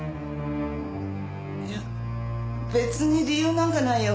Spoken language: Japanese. いや別に理由なんかないよ。